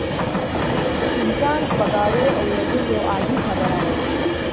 د انسان سپکاوی او وژل یوه عادي خبره وه.